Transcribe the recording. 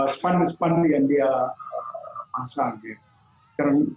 spandu spandu yang dia pasang